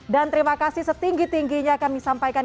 dan terima kasih setinggi tingginya kami sampaikan